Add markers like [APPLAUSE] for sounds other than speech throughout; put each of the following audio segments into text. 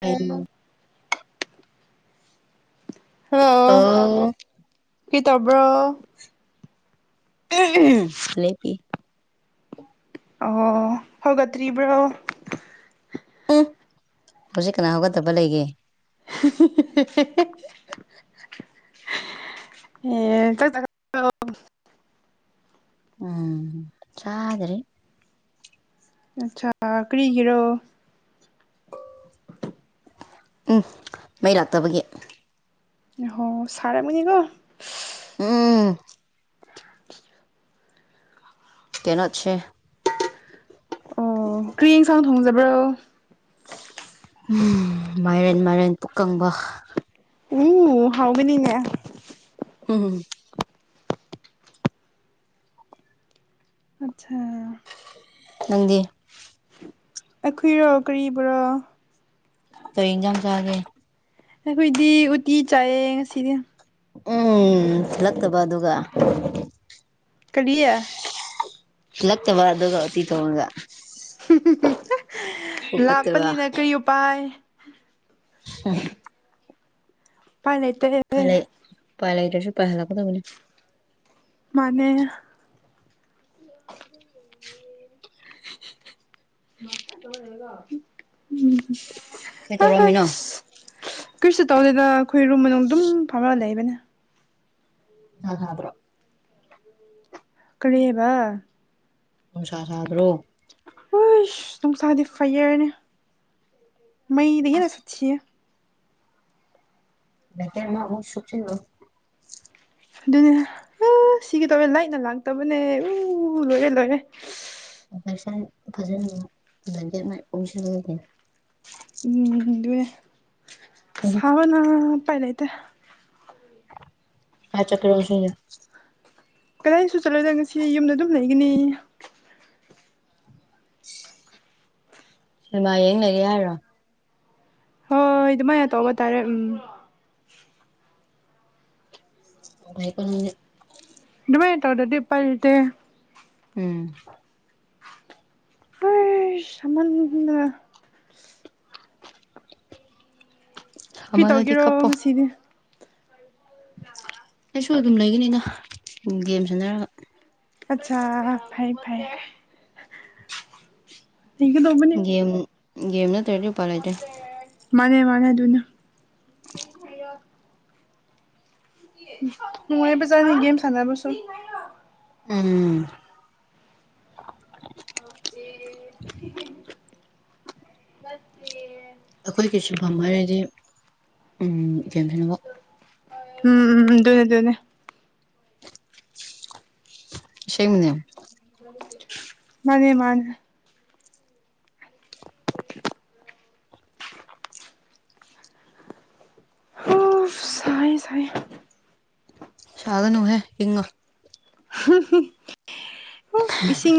ꯎꯝ hello ꯑꯣ ꯀꯤ ꯇꯕ꯭ꯔꯣ [UNINTELLIGIBLE] ꯑꯣ ꯍꯧꯒꯠꯇ꯭ꯔꯤꯕ꯭ꯔꯣ ꯍꯧꯖꯤꯛ ꯀꯅꯥ ꯍꯧꯒꯠꯇꯕ ꯂꯩꯒꯦ [UNINTELLIGIBLE] [UNINTELLIGIBLE] ꯎꯝ ꯆꯗ꯭ꯔꯤ ꯑꯆꯥ ꯀꯔꯤꯒꯤꯔꯣ ꯎꯝ ꯃꯩ ꯂꯥꯛꯇꯕꯒꯤ ꯍꯣ ꯁꯥꯔꯝꯒꯅꯤꯀꯣ ꯎꯝ ꯀꯩꯅꯣꯁꯦ ꯑꯣ ꯀ꯭ꯔꯤ ꯌꯦꯡ ꯁꯥꯡ ꯊꯣꯡꯖꯕ꯭ꯔꯣ ꯃꯥꯏꯔꯦꯟ ꯃꯥꯏꯔꯦꯟ ꯄꯨꯛꯀꯪꯕ ꯎꯝ ꯍꯥꯎꯒꯅꯤꯅꯦ ꯎꯝ ꯑꯆꯥ ꯅꯪꯗꯤ ꯑꯈꯨꯏꯔꯣ ꯀꯔꯤꯕ꯭ꯔꯣ ꯀꯩ ꯏꯟꯖꯥꯡ ꯆꯥꯒꯦ ꯑꯩꯈꯣꯏꯗꯤ ꯎꯇꯤ ꯆꯥꯏꯌꯦ ꯉꯁꯤꯗꯤ ꯎꯝ ꯊꯤꯜꯂꯛꯇꯕ ꯑꯗꯨꯒ ꯀꯔꯤ ꯊꯤꯜꯂꯛꯇꯕ ꯑꯗꯨꯒ ꯎꯇꯤ ꯊ‌ꯣꯡꯔꯒ ꯄꯨꯛ ꯐꯠꯇꯕ ꯂꯥꯞꯄꯅꯤꯅ ꯀꯔꯤ ꯎꯄꯥꯏ [UNINTELLIGIBLE] ꯄꯥꯏ ꯂꯩꯇ‌ꯦꯍ‌ꯦ ꯐꯅꯤ ꯎꯄꯥꯏ ꯂꯩꯇ꯭ꯔꯥꯁꯨ ꯄꯥꯏꯍꯜꯂꯛꯀꯗꯕꯅꯤ ꯃꯥꯅꯦ [UNINTELLIGIBLE] [INAUDIBLE] ꯀꯩ ꯇꯧꯔꯝꯃꯤꯅꯣ ꯀꯩꯁꯨ ꯇꯧꯗꯦꯗ ꯑꯩꯈꯣꯏ ꯔꯨꯝ ꯃꯅꯨꯡ ꯗꯨꯝ ꯐꯝꯃ ꯂꯩꯕꯅꯦ ꯅꯪꯍꯧꯗ꯭ꯔ‌ꯣ ꯀꯔꯤꯕ ꯅꯨꯡꯁꯥ ꯁꯥꯗ꯭ꯔꯣ ꯍꯩꯁ ꯅꯨꯡꯁꯥꯗꯤ ꯐꯩꯌꯥ꯭ꯔꯅꯦ ꯃꯩꯗꯒꯤ ꯑꯁ ꯍ‌ꯦꯟꯅ ꯁꯠꯊꯤꯌ‌ꯦ ꯃꯩꯀ‌ꯦ [UNINTELLIGIBLE] ꯁꯨꯛꯆꯤꯜꯂ‌ꯣ ꯑꯗꯨꯅꯦ ꯑꯥ ꯁꯤꯒ‌ꯦ ꯇꯧꯑ‌ꯦ ꯂꯥ꯭ꯏꯠꯅ ꯂꯥꯛꯇꯕꯅꯦ ꯎ ꯂꯣꯏꯔꯦ ꯂꯣꯏꯔꯦ ꯑꯣꯄ꯭ꯔ‌ꯦꯁꯟ ꯐꯖꯅ ꯗꯨꯝ [UNINTELLIGIBLE] ꯑꯣꯝꯁꯤꯜꯂꯒꯦ ꯎꯝ ꯗꯩꯅ‌ꯦ ꯎꯝ ꯁꯕꯅ ꯎꯄꯥꯏ ꯂꯩꯇ‌ꯦ ꯐꯥꯏꯠ ꯆꯠꯇ‌ꯣꯏꯔ‌ꯣ ꯉꯁꯤ ꯀꯗꯥꯏꯁꯨ ꯆꯠꯂ‌ꯣꯏꯗ ꯉꯁꯤ ꯌꯨꯝꯗ ꯑꯗꯨꯝ ꯂꯩꯒꯅꯤ ꯁꯤꯃ ꯌꯦꯡ ꯂꯩꯒꯦ ꯍꯥꯏꯔꯣ ꯍꯣꯏ ꯗꯨꯃꯥꯏꯅ ꯇꯧꯕ ꯇꯥꯔꯦ ꯎꯝ ꯅꯨꯡꯉꯥꯏꯀ‌ꯣ ꯃꯤꯗꯤ ꯑꯗꯨꯃꯥꯏꯅ ꯇꯧꯗꯗꯤ ꯄꯥꯏ ꯂꯩꯇ‌ꯦ ꯎꯝ ꯎꯏ ꯁꯃꯟꯕꯅ ꯀꯩ ꯑꯃꯗꯗꯤ ꯇꯧꯒꯦꯔꯣ ꯀꯞꯄꯣ ꯉꯁꯤꯗꯤ ꯑꯩꯁꯨ ꯑꯗꯨꯝ ꯂꯩꯒꯅꯤꯗ ꯒꯦꯝ ꯁꯥꯟꯅꯔꯒ ꯑꯠꯁꯥ ꯐꯩ ꯐꯩ ꯂꯩꯒꯗꯧꯕꯅꯤ ꯒꯦꯝ ꯒꯦꯝ ꯅꯠꯇ꯭ꯔꯥꯗꯤ ꯎꯄꯥꯏ ꯂꯩꯇ‌ꯦ ꯃꯥꯅꯦ ꯃꯥꯅꯦ ꯗꯨꯅ‌ꯦ ꯅꯨꯡꯉꯥꯏꯕ ꯖꯥꯠꯅꯤ ꯒꯦꯝ ꯁꯥꯟꯅꯕꯁꯨ ꯎꯝ ꯍꯥꯎꯇ‌ꯦ ꯅꯠꯇ° ꯑꯩꯈꯣꯏꯒꯤ ꯁꯤꯟꯐꯝ ꯍꯥꯏꯔꯗꯤ ꯎꯝ ꯒ°ꯝ ꯁꯥꯟꯅꯕ ꯎꯝꯝ ꯗꯨꯅꯦ ꯗꯨꯅꯦ ꯑꯁ°ꯡꯕꯅ° ꯃꯥꯅꯦ ꯃꯥꯅꯦ [INAUDIBLE] ꯍ‌ꯣꯁ ꯁꯥꯏꯌ° ꯁꯥꯏꯌ° ꯁꯥꯒꯅꯨꯍ° ꯏꯪꯉꯨ ꯍꯨꯝ ꯍꯨꯝ [UNINTELLIGIBLE] ꯏꯁꯤꯡ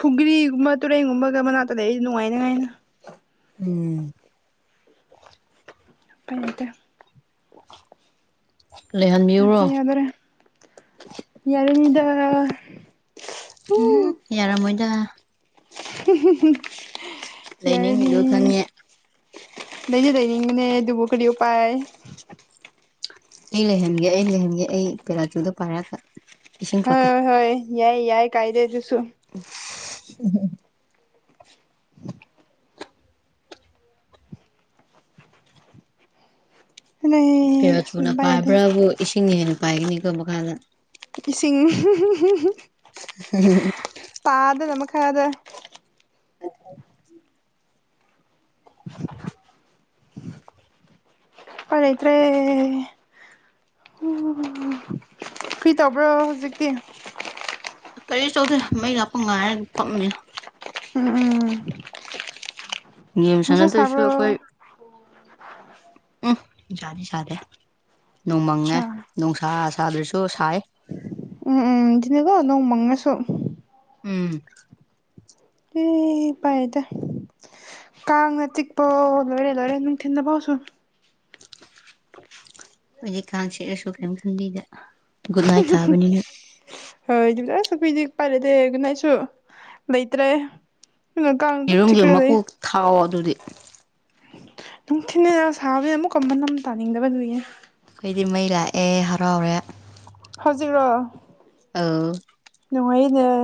ꯐꯨꯒ꯭ꯔꯤꯒꯨꯝꯕ ꯇꯨꯔꯦꯟꯒꯨꯝꯕꯒ ꯃꯅꯥꯛꯇ ꯂꯩꯔꯗꯤ ꯅꯨꯡꯉꯥꯏꯅꯉꯥꯏꯅ° ꯎꯝ [UNINTELLIGIBLE] ꯂꯩꯍꯟꯕꯤꯌꯨꯔꯣ ꯌꯥꯗ꯭ꯔ° ꯌꯥꯗ꯭ꯔ° ꯌꯔꯅꯤꯗ ꯎꯝ ꯌꯥꯔꯝꯃꯣꯏꯗ [UNINTELLIGIBLE] ꯌꯥꯔꯅꯤ ꯂꯩꯅꯤꯡꯉꯤꯗꯣ ꯈꯪꯉꯦ ꯂꯩꯗꯤ ꯂꯩꯅꯤꯡꯕꯅ° ꯑꯗꯨꯕꯨ ꯀꯔꯤ ꯎꯄꯥꯏ ꯑꯩ ꯂꯩꯍꯟꯒꯦ ꯑꯩ ꯂꯩꯍꯟꯒꯦ ꯑꯩ ꯄꯦꯔꯥꯆꯨꯗꯨ ꯄꯥꯏꯔꯒ ꯏꯁꯤꯡ ꯄꯨꯔꯛꯀꯦ ꯍꯣꯏ ꯍꯣꯏ ꯌꯥꯏ ꯌꯥꯏ ꯀꯥꯏꯗꯦ ꯑꯗꯨꯁꯨ [UNINTELLIGIBLE] [UNINTELLIGIBLE] ꯄ°ꯔꯥꯆꯨꯅ ꯎꯄꯥꯏ ꯂꯩꯇꯦ ꯄꯥꯏꯕ꯭ꯔꯥꯕꯨ ꯏꯁꯤꯡꯅ ꯍꯦꯟꯅ ꯄꯥꯏꯒꯅꯤꯀꯣ ꯃꯈꯥꯗ ꯏꯁꯤꯡ [UNINTELLIGIBLE] [UNINTELLIGIBLE] ꯄꯥꯗꯅ ꯃꯈꯥꯗ ꯄꫭꯠ ꯂꯩꯇ꯭ꯔ° [UNINTELLIGIBLE] ꯀ꯭ꯔꯤ ꯇꯧꯕ꯭ꯔꫭ ꯍꯧꯖꯤꯛꯇꯤ ꯀꯔꯤꯁꯨ ꯇꯧꯗ° ꯃꯩ ꯂꯥꯛꯄ ꯉꯥꯏꯔꯒ ꯐꯝꯃꯤꯌ° ꯎꯝ ꯎꯝ ꯒꯦꯝ ꯅꯨꯡꯁꯥ ꯁꯥꯟꯅꯗꯣꯏ ꯁꯔꯨꯛ ꯁꯥꯕ꯭ꯔꯣ ꯑꯈꯣꯏ [INAUDIBLE] ꯎꯝ ꯅꯨꯡꯁꯥꯥꯗꯤ ꯁꯥꯗꯦ ꯅꯣꯡꯃꯪꯉꯦ ꯑꯠꯁꯥ ꯅꫭꯡꯁꯥ ꯁꯥꯗ꯭ꯔꯁꯨ ꯁꯥꯏ ꯎꯝ ꯎꯝ [UNINTELLIGIBLE] ꯅꫭꯡ ꯃꯪꯉꯁꯨ ꯎꯝ ꯍꯤ ꯄꯥꯏ [UNINTELLIGIBLE] ꯗ ꯀꯥꯡꯅ ꯆꯤꯛꯄꯑꫭ ꯂꯣꯏꯔꯦ ꯂꯣꯏꯔꯦ ꯅꯨꯡꯊꯤꯜꯗ ꯐꯥꯎꯁꯨꯝ ꯑꯩꯗꯤ ꯀꯥꯡ ꯆꯤꯛꯑꯁꯨ ꯀꯔꯤꯝ ꯈꯟꯕꯤꯗ° [UNINTELLIGIBLE] ꯍꫭꯏꯗꯨꯁꯨ ꯑꯁ ꯑꯩꯈꫭꯏꯗꯤ ꯎꯄꯥꯏ ꯂꯩꯇ° ꯑꯗꯨꯅ ꯑꯩꯁꯨ ꯂꯩꯇ꯭ꯔꯦ ꯑꯗꯨꯅ ꯀꯥꯡꯅ ꯑꯗꯨꯝ ꯌꯦꯔꯨꯝꯒꯤ ꯆꯤꯛꯔꯒ ꯃꯀꯨꯛ ꯊꯥꯎ ꯑꯗꯨꯗꯤ ꯅꯨꯡꯊꯤꯟꯅ ꯌꯥꯝ ꯁꯥꯕꯩ ꯑꯃꯨꯛꯀ ꯃꯅꯝ ꯇꯥꯅꯤꯡꯗꯕ ꯗꯨꯏꯒꯤꯅ° ꯑꯩꯗꯤ ꯃꯩ ꯂꯥꯛꯑꯦ ꯍꯔꯥꯎꯔꯦ ꯍꯧꯖꯤꯛꯔꯣ ꯑꯥꯎ ꯅꯨꯡꯉꯥꯏꯅꯤꯗ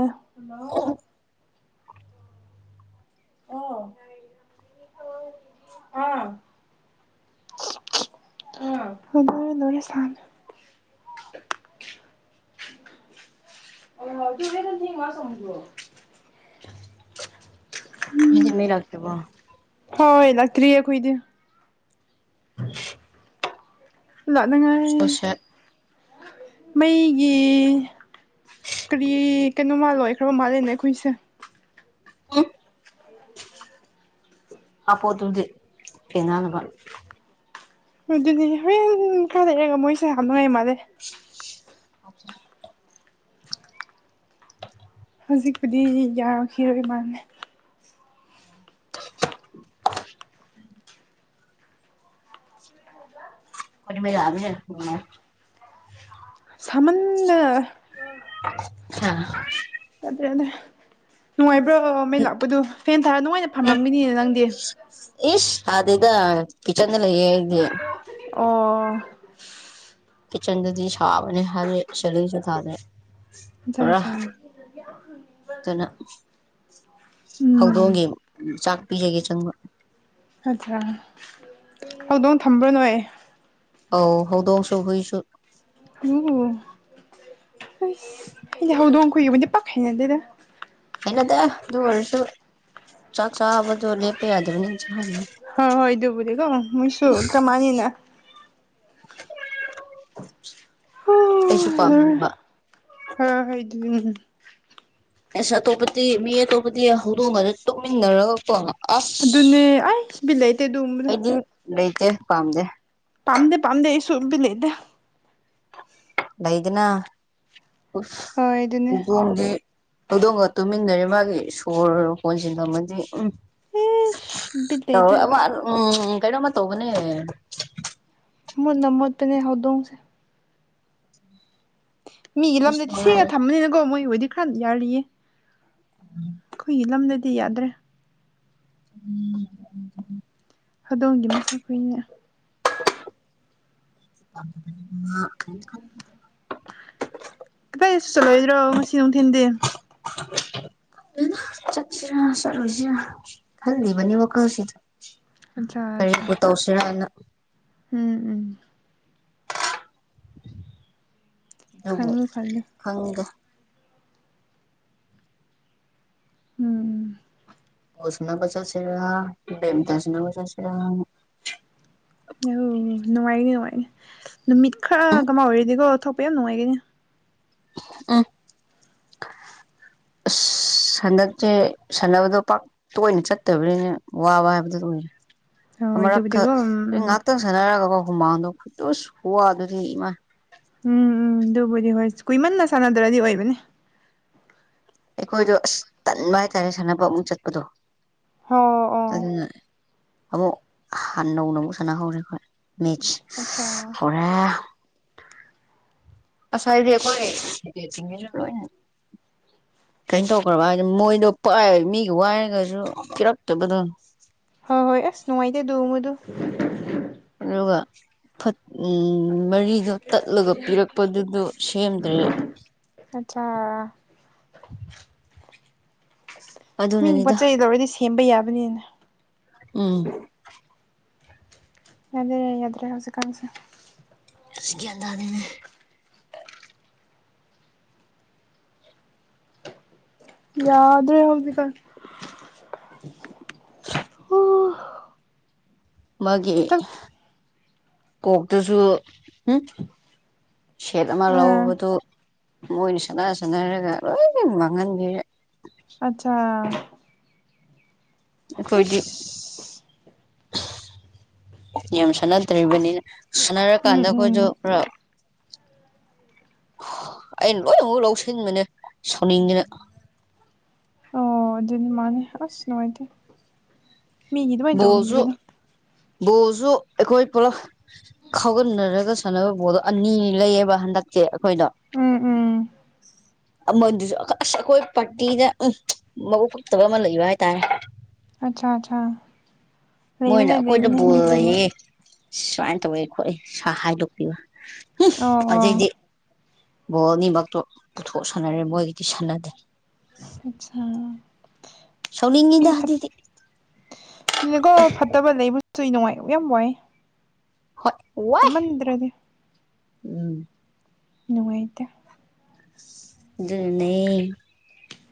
[INAUDIBLE] [UNINTELLIGIBLE] ꯍꫭꯏꯃ ꯂꫭꯏꯔ° ꯁꯥꯕꯅ [UNINTELLIGIBLE] ꯑꯩꯗꯤ ꯃꯤ ꯂꯥꯛꯇ꯭ꯔꯕꯣ ꯍꯣꯏ ꯂꯥꯛꯇ꯭ꯔꯤ ꯑꯈꯣꯏꯗꯤ [INAUDIBLE] ꯂꯥꯛꯅꯉꯥꯏ ꯁꯣꯁꯦ ꯃꯩꯒꯤ ꯀꯔꯤ ꯀꯩꯅꯣꯃ ꯂꯣꯢꯈ꯭ꯔꯕ ꯃꯥꯜꯂꯦꯅꯦ ꯑꯩꯈꯣꯏꯁꯦ ꯎꯝ ꯍꯥꯄꯄꯣ ꯗꯨꯗꯤ ꯐꯤꯅꯥꯟꯅꯕ ꯑꯗꯨꯗꯤ ꯍꯣꯔꯦꯟ ꯏ ꯀꯥ ꯂꯩꯔꯒ ꯃꯣꯏꯁꯦ ꯍꯥꯞꯅꯉꯥꯏ ꯃꯥꯜꯂꯦ ꯑꯆꯥ [UNINTELLIGIBLE] ꯍꯧꯖꯤꯛꯄꯨꯗꯤ ꯌꯥꯔꯛꯈꯤꯔꯣꯏ ꯏꯃꯥꯅꯦ ꯈ ꯃꯥ [UNINTELLIGIBLE] ꯁꯥꯃꯟꯗꯅ ꯍꯝ ꯌꯥꯗ꯭ꯔꯦ ꯌꯥꯗ꯭ꯔꯦ ꯅꯨꯡꯉꯥꯏꯕ꯭ꯔꯣ ꯃꯩ ꯂꯥꯛꯄꯗꯨꯣ ꯐꯦꯟ ꯊꯥꯔ ꯅꯨꯡꯉꯥꯏꯅ ꯑꯦ ꯐꯝꯔꯝꯒꯅꯤꯅꯦ ꯅꯪꯗꯤ ꯏꯁ ꯁꯥꯗꯦꯗ ꯀꯤꯆꯟꯗ ꯂꯩꯌꯦ ꯑꯩꯗꯤ ꯑꯣ ꯀꯤꯆꯟꯗꯗꯤ ꯁꯥꯥꯕꯅꯦ ꯍꯥꯢꯗꯤ ꯁꯤꯂꯤꯡꯥꯨ ꯊꯥꯗꯦ ꯑꯠꯆꯥ ꯄꯨꯔꯥ ꯑꯠꯆꯥ ꯑꯗꯨꯅ ꯎꯝ ꯍꯧꯗꯣꯡꯒꯤ ꯎ ꯆꯥꯛ ꯄꯤꯖꯒꯦ ꯆꯪꯕ ꯅꯠꯇꯔꯒ ꯍꯧꯗꯣꯡ ꯊꯝꯕꯔ ꯅꯣꯏ ꯑꯧ ꯍꯧꯗꯣꯡ ꯁꯨ ꯍꯨꯏ ꯁꯄ ꯑꯣꯗꯤ ꯍꯧꯗꯣꯡ ꯀꯨꯏꯕꯗꯤ ꯄꯥꯈꯥꯏꯅꯗꯦꯗ [UNINTELLIGIBLE] ꯍꯩ ꯅꯗꯦ ꯑꯗꯨ ꯑꯣꯏꯔꯁꯨ ꯆꯥꯛ ꯆꯥꯕꯗꯣ ꯂꯤꯞꯄ ꯌꯗꯕꯅꯤꯅ ꯆꯥꯔꯤꯅꯤ ꯍꯣꯏ ꯍꯣꯏ ꯑꯗꯨꯕꯨꯗꯤ ꯀꯣ ꯃꯣꯏꯁꯨ ꯀꯃꯅꯤꯅ ꯍ ꯑꯩꯁꯨ ꯄꯥꯝꯃꯨꯕ ꯍ ꯍꯥꯏꯗꯤ ꯑꯁ ꯑꯇꯣꯞꯄꯗꯤ ꯃꯤ ꯑꯇꯣꯞꯄꯗꯤ ꯍꯧꯗꯣꯡꯉꯒ ꯇꯨꯛꯃꯤꯟꯅꯔꯒꯀꯣ ꯑꯁ ꯑꯗꯨꯅꯦ ꯑꯩꯁ ꯕꯤꯠ ꯂꯩꯇꯦ ꯑꯗꯨꯒꯨꯝꯕꯗꯣ ꯑꯩꯗꯤ ꯂꯩꯇꯦ ꯄꯥꯝꯗꯦ ꯄꯝꯗꯦ ꯄꯝꯗꯦ ꯑꯩꯁꯨꯕꯤꯠ ꯂꯩꯇꯦ ꯂꯩꯩꯗꯅꯥꯗꯤ ꯍꯣꯏ ꯑꯗꯨꯅꯦ ꯍꯧꯗꯣꯡꯝꯒ ꯇꯨꯃꯤꯟꯅꯔꯦ ꯃꯥꯒꯤ ꯁꯣꯔ ꯍꯣꯟꯁꯤꯟꯂꯝꯃꯗꯤ ꯎꯝ ꯏꯁ ꯕꯤꯠ ꯇ ꯂꯩꯇꯦ ꯑꯃ ꯎꯝ ꯀꯩꯅꯣꯃ ꯇꯧꯕꯅꯦ ꯏꯃꯣꯠꯇ ꯃꯣꯠꯄꯅꯦ ꯍꯧꯗꯣꯡꯁꯦ ꯃꯤꯒꯤ ꯂꯝꯗꯗꯤ ꯃꯉꯥꯏꯔꯦ ꯁꯦꯡꯅ ꯊꯝꯃꯅꯤꯅꯀꯣ ꯃꯣꯏ ꯑꯣꯏꯗꯤ ꯈꯔꯗꯤ ꯌꯥꯔꯤꯌꯦ ꯎꯝ ꯑꯩꯈꯣꯏꯒꯤ ꯂꯝꯗꯗꯤ ꯌꯥꯗ꯭ꯔꯦ ꯎꯝ ꯎ ꯍꯧꯗꯣꯡꯒꯤ ꯃꯁꯛ ꯀꯨꯏꯅꯦ [UNINTELLIGIBLE] ꯀꯗꯥꯏꯁꯨ ꯆꯠꯂꯣꯏꯗ꯭ꯔꯣ ꯉꯁꯤ ꯅꯨꯡ ꯊꯤꯟꯗꯤ ꯈꯪꯗꯦꯗ ꯆꯠꯁꯤꯔ ꯆꯠꯂꯣꯏꯁꯤꯔ ꯈꯪꯂꯤꯕꯅꯦ ꯋꯥꯈꯜꯁꯦ ꯑꯠꯆꯥ ꯑꯠꯆꯥ ꯀꯔꯤꯕꯨ ꯇꯧꯁꯤꯔꯥꯅ ꯎꯝ ꯎꯝ ꯑꯗꯨꯕ ꯈꯜꯂꯨ ꯈꯜꯂꯨ ꯈꯪꯗꯦ ꯎꯝ ꯑꯣꯁꯅ ꯄꯆꯥꯁꯦ ꯦꯝꯗꯥꯖꯅ ꯄꯆꯥꯁꯤ [UNINTELLIGIBLE] ꯑꯣ ꯅꯨꯡꯉꯥꯏꯒꯅꯤ ꯅꯨꯡꯉꯥꯏꯅꯤ ꯅꯨꯃꯤꯠ ꯈꯔ ꯀꯃꯥꯏ ꯑꯣꯏꯔꯗꯤꯒꯣ ꯊꯣꯛꯄ ꯌꯥꯝ ꯅꯨꯡꯉꯥꯏꯒꯅꯤ ꯎꯝ ꯁꯟꯗꯛꯁꯦ ꯁꯥꯟꯅꯕꯗꯣ ꯄꯥꯛ ꯇꯣꯏꯅ ꯆꯠꯇꯕꯅꯤꯅꯦ ꯋꯥꯕ ꯍꯥꯏꯕꯗꯨꯣ ꯑꯣꯏꯔꯦ ꯍꯣꯏ ꯑꯃꯔꯛꯈꯛ ꯑꯗꯨꯕꯨꯗꯤꯀꯣ ꯎꯝ ꯑꯩ ꯎꯝ ꯉꯍꯥꯛꯇꯪ ꯁꯥꯟꯅꯔꯒꯀꯣ ꯍꯨꯃꯥꯡꯗꯣ ꯈꯨꯠꯇꯨ ꯈꯄꯋꯥꯗꯨꯗꯤ ꯑꯗꯨꯗꯤ ꯏꯃꯥꯏ ꯎꯝ ꯎꯝ ꯗꯨꯕꯨꯗꯤ ꯍꯣꯏ ꯀꯨꯏꯃꯟꯅ ꯁꯥꯟꯅꯗ꯭ꯔꯗꯤ ꯑꯣꯏꯕꯅꯦ ꯫ ꯑꯩꯈꯣꯏꯗꯣ ꯑꯁ ꯇꯟꯕ ꯍꯥꯏꯇꯥꯔꯦ ꯁꯥꯟꯅꯕ ꯑꯃꯨꯛ ꯆꯠꯄꯗꯣ ꯍꯣ ꯑꯣ ꯑꯗꯨꯅ ꯑꯃꯨꯛ ꯍꯥꯟ ꯅꯧꯅ ꯑꯃꯨꯛ ꯁꯥꯟꯅ ꯍꯧꯔꯦ ꯍ‌ꯣꯏ ꯃꯦꯠꯁ ꯑꯠꯆꯥꯥ ꯑꯣꯔꯦ ꯑꯁꯥꯏꯗꯤ ꯑꯈ‌ꯣꯏ [UNINTELLIGIBLE] ꯂ‌ꯣꯏꯅ ꯀꯩꯅꯣ ꯇꯧꯈ꯭ꯔꯕ ꯍꯥꯏꯗꯤ ꯃꯣꯏꯗꯣ ꯄꯥꯏꯕꯡꯔ ꯃꯤꯒꯤ ꯋꯥꯏꯔꯒꯁꯨ ꯀꯤꯔꯛꯇꯕꯗꯣ ꯫ ꯍꯣꯏ ꯍꯣꯏ ꯑꯁ ꯅꯨꯡꯉꯥꯏꯇꯦ ꯑꯗꯨꯒꯨꯝꯕꯗꯨ ꯫ ꯑꯗꯨꯒ ꯐꯠ ꯎꯝ ꯃꯔꯤꯗꯨ ꯇꯠꯂꯒ ꯄꯤꯔꯛꯄꯗꯨꯗꯨ ꯁꯦꯝꯗ꯭ꯔꯤ ꯫ ꯑꯠꯆꯥ ꯃꯤꯒꯤ ꯄꯣꯠ ꯑꯗꯨꯅꯅꯤꯗ ꯆꯩ ꯂꯧꯔꯗꯤ ꯁꯦꯝꯕ ꯌꯥꯕꯅꯤꯅ ꯫ ꯎꯝ ꯑꯗꯨꯅ ꯌꯥꯗ꯭ꯔꯦ ꯍꯧꯖꯤꯛꯀꯥꯟꯁꯦ ꯫ ꯑꯁ ꯒ꯭ꯌꯥꯟ ꯇꯥꯗ‌ꯦꯅ‌ꯦ ꯫ ꯌꯥꯗ꯭ꯔꯦ ꯍꯖꯤꯛꯀꯥꯟ ꯫ ꯑꯣ ꯃꯥꯒꯤ ꯆꯥꯛ ꯄ‌ꯣꯛꯇꯨꯁꯨ ꯎꯝ ꯁꯦꯠ ꯑꯃ ꯑꯥ ꯂꯧꯕꯗꯨ ꯃꯣꯏꯅ ꯁꯥꯟꯅ ꯁꯥꯟꯅꯔꯒ ꯂꯣꯏꯅ ꯃꯥꯡꯍꯟꯕꯤꯔꯦ ꯫ ꯑꯠꯆꯥ ꯑꯩꯈꯣꯏꯗꯤ ꯏꯁ ꯌꯥꯝ ꯁꯥꯟꯅꯗ꯭ꯔꯤꯕꯅꯤꯅ ꯁꯥꯟꯅꯔꯀꯥꯟꯗ ꯎꯝ ꯎꯝ ꯑꯩꯈꯣꯏꯁꯨ ꯈꯔ ꯑꯩꯅ ꯂꯣꯏꯅꯃꯨꯛ ꯂꯧꯁꯤꯟꯕꯅꯦ ꯁꯣꯅꯤꯡꯗꯅ ꯫ ꯑꯣ ꯑꯗꯨꯗꯤ ꯃꯥꯅꯦ ꯑꯁ ꯅꯨꯡꯉꯥꯏꯇꯦ ꯫ ꯕ‌ꯣꯜꯁꯨ ꯕꯣꯜꯁꯨ ꯑꯩꯈꯣꯏ ꯄꯨꯂꯞ ꯈꯥꯎꯒꯠꯅꯔꯒ ꯁꯥꯟꯅꯕ ꯕꯣꯜꯗꯣ ꯑꯅꯤꯅꯤ ꯂꯩꯌꯦꯕ ꯍꯟꯗꯛ ꯁ‌ꯦ ꯑꯩꯈꯣꯏꯅ ꯎꯝ ꯎꯝ ꯑꯃꯗꯨꯁꯨ ꯑꯁ ꯑꯩꯈꯣꯏ ꯄꯥꯔꯇꯤꯗ ꯃꯕꯨꯛ ꯐꯛꯇꯕ ꯑꯃ ꯂꯩꯕ ꯍꯥꯏꯇꯥꯔꯦ ꯫ ꯑꯠꯆꯥ ꯑꯠꯆꯥ ꯃꯣꯏꯅ ꯂꯩꯕꯅꯦ ꯑꯩꯈꯣꯏꯗ ꯂꯩꯕꯅꯦ ꯕ‌ꯣꯜ ꯃꯤꯗꯨꯃ ꯂꯩꯌ‌ꯦ ꯁꯨꯃꯥꯏꯅ ꯇꯧꯋꯦ ꯈꯣꯠꯂ‌ꯦ ꯁꯥ ꯍꯥꯏꯗꯣꯛꯄꯤꯕ ꯑꯣ ꯑꯣ ꯑꯗꯩꯗꯤ ꯕꯣꯜ ꯑꯅꯤꯃꯛꯇꯣ ꯄꯨꯊꯣꯛꯑ ꯁꯥꯟꯅꯔꯦ ꯃꯣꯏꯒꯤꯗꯤ ꯁꯥꯟꯅꯗꯦ ꯫ ꯑꯠꯆꯥ ꯁꯥꯎꯅꯤꯡꯉꯤꯗ ꯑꯗꯨꯗꯤ ꯫ ꯅꯦꯀꯣ ꯐꯠꯇꯕ ꯂꯩꯕꯁꯨ ꯅꯨꯡꯉꯥꯏ ꯌꯥꯝ ꯋꯥꯏ ꯫ ꯍ‌ꯣꯏ ꯋꯥꯥꯏ ꯎꯝ ꯫ ꯅꯨꯡꯉꯥꯏꯇ‌ꯦ ꯑꯗꯨꯅꯅ‌ꯦ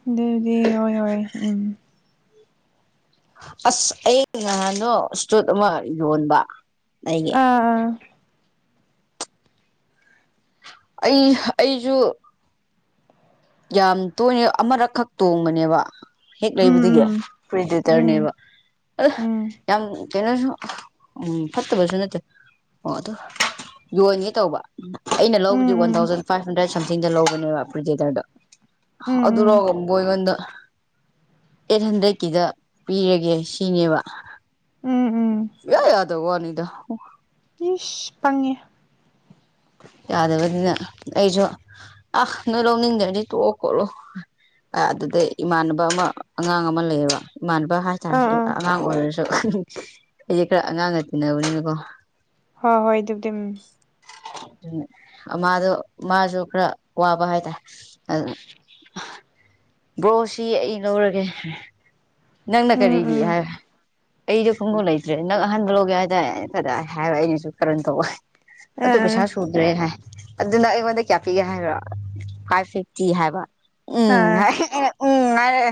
ꯑꯗꯨꯕꯨꯗꯤ ꯍꯣꯏ ꯍꯣꯏ ꯎꯝ ꯫ ꯑꯁ ꯑꯩ ꯉꯍꯥꯟꯅꯣ ꯏꯁꯇ꯭ꯔꯨꯠ ꯑꯃ ꯌꯣꯟꯕ ꯫ ꯑꯥ ꯑꯥ ꯑꯩ ꯑꯩꯁꯨ ꯌꯥꯝ ꯇꯣꯏꯅ ꯑꯃꯨꯔꯛꯈꯛ ꯇꯣꯡꯕꯅꯦꯕ ꯫ ꯍꯦꯛ ꯎꯝ ꯂꯩꯕꯗꯒꯤ ꯎꯝ ꯎꯝ ꯄ꯭ꯔꯤꯗ‌ꯦꯇꯔꯅꯦꯕ ꯑꯥ ꯎꯝ ꯌꯥꯝ ꯀꯩꯅꯣꯁꯨ ꯎꯝ ꯐꯠꯇꯕꯁꯨ ꯅꯠꯇꯦ ꯑꯣ ꯑꯗꯨ ꯌꯣꯟꯒꯦ ꯇꯧꯕ ꯑꯩꯅ ꯎꯝ ꯂꯧꯕꯗꯤ one um thousand five hundred ꯁꯝꯊꯤꯡꯗ ꯂꯧꯕꯅꯦꯕ ꯐ꯭ꯔꯤꯖꯦꯇꯔꯗ ꯎꯝ ꯎꯝ ꯑꯗꯨꯔꯣꯒ ꯃꯣꯏꯒꯟꯗ ꯑꯩꯠ ꯍꯟꯗ꯭ꯔꯦꯗꯀꯤꯗ ꯄꯤꯔꯒꯦ ꯁꯤꯅꯦꯕ ꯎꯝ ꯎꯝ ꯁꯨꯛꯌꯥ ꯌꯥꯗꯕ ꯋꯥꯅꯤꯗ ꯏꯁ ꯄꯪꯉꯦ ꯌꯥꯗꯕꯅꯤꯅ ꯑꯩꯖꯨ ꯑ ꯅꯣꯏ ꯂꯧꯅꯤꯡꯗ꯭ꯔꯗꯤ ꯇꯣꯛꯑꯣ ꯈꯣꯠꯂꯣ ꯑꯗꯨꯗꯩ ꯏꯃꯥꯟꯅꯕ ꯑꯃ ꯑꯉꯥꯡ ꯑꯃ ꯂꯩꯌꯦꯕ ꯏꯃꯥꯟꯅꯕ ꯍꯥꯏꯇꯥꯔꯦ ꯑꯥ ꯑꯥ ꯑꯉꯥꯡ ꯑꯣꯏꯔꯁꯨ ꯑꯩꯁꯦ ꯈꯔ ꯑꯉꯥꯡꯒ ꯇꯤꯟꯅꯕꯅꯤꯅꯀꯣ ꯍꯣꯏ ꯍꯣꯏ ꯑꯗꯨꯗꯤ ꯃꯥꯗꯣ ꯃꯥꯁꯨ ꯈꯔ ꯋꯥꯕ ꯍꯥꯏꯇꯥꯔꯦ ꯑꯗꯨ ꯕ꯭ꯔꯣ ꯁꯤ ꯑꯩ ꯂꯧꯔꯒꯦ ꯅꯪꯅ ꯎꯝ ꯀꯔꯤꯒꯤ ꯎꯝ ꯑꯩꯗꯣ ꯈꯣꯡꯎꯕ ꯂꯩꯇ꯭ꯔꯦ ꯅꯪ ꯑꯍꯟꯕ ꯂꯧꯒꯦ ꯍꯥꯏꯗꯥꯏ ꯀꯥꯗꯥꯏ ꯍꯥꯏꯕ ꯑꯩꯅꯁꯨ ꯀꯔꯟ ꯇꯧꯕ ꯑꯗꯣ ꯑꯥ ꯑꯥ ꯄꯩꯁꯥ ꯁꯨꯗꯔꯦ ꯍꯥꯏ ꯑꯗꯨꯅ ꯑꯩꯉꯣꯟꯗ ꯀꯌꯥ ꯄꯤꯒꯦ ꯍꯥꯏꯔꯣ ꯐꯥꯏꯚ ꯐꯤꯐꯇꯤ ꯍꯥꯏꯕ ꯎꯝ ꯍꯥꯏ ꯑꯥ ꯑꯩꯅ ꯎꯝ ꯍꯥꯏꯔꯒ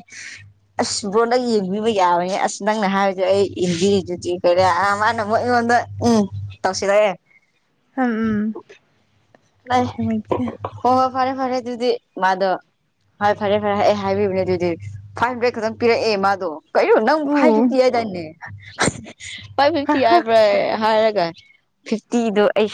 ꯕꯔꯣ ꯅꯪ ꯌꯦꯡꯕꯤꯕ ꯌꯥꯕꯅꯤ ꯑꯁ ꯅꯪꯅ ꯍꯥꯏꯕꯗꯣ ꯑꯩ ꯌꯦꯡꯕꯤꯔꯤꯗꯨꯗꯤ ꯀꯩꯔꯤ ꯃꯥꯅ ꯑꯃꯨꯛ ꯑꯩꯉꯣꯟꯗ ꯎꯝ ꯇꯧꯁꯤꯔ ꯍꯌꯦꯡ ꯎꯝ ꯎꯝ ꯅꯨꯡꯉꯥꯏꯕꯤꯗ ꯍꯣ ꯐꯔꯦ ꯐꯔꯦ ꯑꯗꯨꯗꯤ ꯃꯥꯗꯣ ꯍꯣꯏ ꯐꯔꯦ ꯐꯔꯦ ꯑꯩ ꯍꯥꯏꯕꯤꯕꯅꯦ ꯑꯗꯨꯗꯤ ꯐꯥꯏꯚ ꯍꯟꯗ꯭ꯔꯦ ꯈꯛꯇꯪ ꯄꯤꯔꯛꯑꯦ ꯃꯥꯗꯣ ꯀꯩꯅꯣ ꯅꯪ ꯎ ꯐꯥꯏꯚ ꯐꯤꯐꯇꯤ ꯍꯥꯏꯗꯥꯏꯅꯦ ꯐꯥꯏꯚ ꯍꯥ ꯐꯤꯐꯇꯤ ꯍꯥ ꯍꯥꯏꯕ꯭ꯔꯥ ꯍꯥꯏꯔꯒ ꯐꯤꯐꯇꯤ ꯗꯣ ꯑꯩ